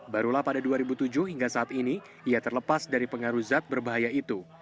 barulah pada dua ribu tujuh hingga saat ini ia terlepas dari pengaruh zat berbahaya itu